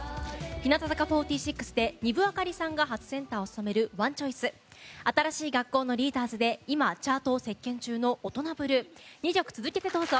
日向坂４６で丹生明里さんがセンターを務める「Ｏｎｅｃｈｏｉｃｅ」新しい学校のリーダーズで今チャートを席巻中の「オトナブルー」２曲続けてどうぞ。